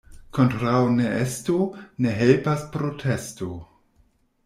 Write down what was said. Kontraŭ neesto ne helpas protesto.